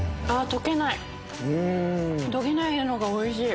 溶けないのがおいしい。